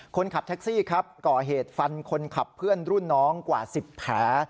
คนขับแท็กซี่ครับก่อเหตุฟันคนขับเพื่อนรุ่นน้องกว่า๑๐แผล